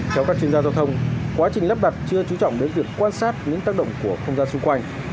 theo các chuyên gia giao thông quá trình lắp đặt chưa trú trọng đến việc quan sát những tác động của không gian xung quanh